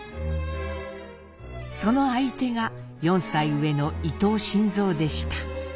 その相手が４歳上の伊藤新造でした。